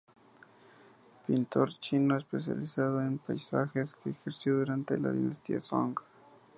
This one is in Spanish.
Pintor chino, especializado en paisajes, que ejerció durante la dinastía Song.